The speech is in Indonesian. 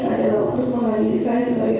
adalah untuk menghadiri saya sebagai